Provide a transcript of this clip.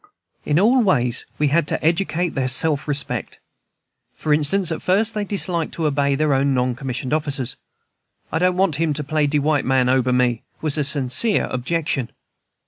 In all ways we had to educate their self respect. For instance, at first they disliked to obey their own non commissioned officers. "I don't want him to play de white man ober me," was a sincere objection.